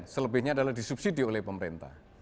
selebihnya adalah disubsidi oleh pemerintah